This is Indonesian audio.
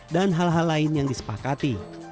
dan hal hal lain yang disepakati